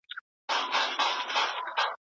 هغه محصل چي په شا کي دی ډېر زیارکښ دی.